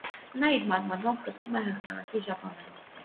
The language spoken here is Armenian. Նա իր մարմնով կտրում է հաղթանակի ժապավենը։